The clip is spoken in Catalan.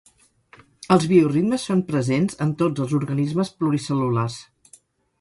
Els bioritmes són presents en tots els organismes pluricel·lulars.